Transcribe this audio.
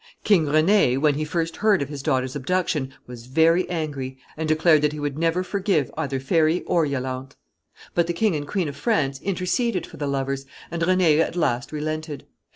King René, when he first heard of his daughter's abduction, was very angry, and declared that he would never forgive either Ferry or Yolante. But the King and Queen of France interceded for the lovers, and René at last relented.